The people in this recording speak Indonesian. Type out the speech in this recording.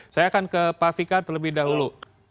saya akan ke pak fikar terlebih dahulu